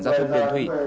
giao thông đường thủy